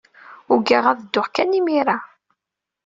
Ugaɣ ad dduɣ kan imir-a.